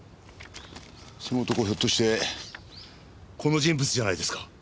その男ひょっとしてこの人物じゃないですか？